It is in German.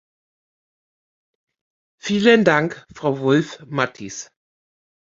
Vielen Dank, Frau Wulf-Mathies!